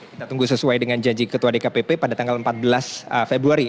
kita tunggu sesuai dengan janji ketua dkpp pada tanggal empat belas februari